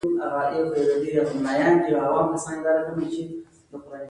په راتلونکې کې به